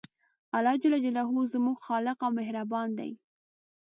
الله ج زموږ خالق او مهربان دی